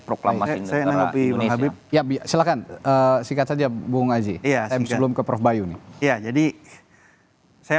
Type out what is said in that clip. proklamasi indonesia ya biar silakan singkat saja bu ngaji ya semisal ke prof bayu nih ya jadi saya